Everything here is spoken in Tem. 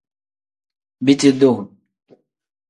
Biti duu.